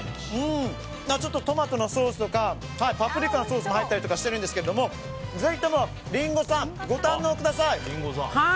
ちょっとトマトのソースとかパプリカのソースとか入ったりしてるんですがぜひともリンゴさん、ご堪能ください！